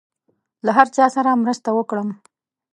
له هر چا سره مرسته وکړم.